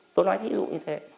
tôi nói ví dụ như thế